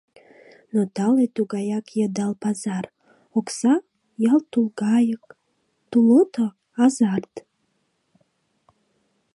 Но тале тугаяк йыдал пазар: окса — ялт тулгайык, тулото — азарт.